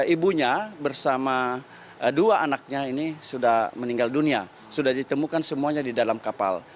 ibunya bersama dua anaknya ini sudah meninggal dunia sudah ditemukan semuanya di dalam kapal